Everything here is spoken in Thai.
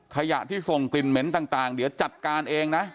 ขยะที่ส่งกลิ่นเหม็นต่างเดี๋ยวจัดการเองนะ